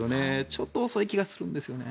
ちょっと遅い気がするんですよね。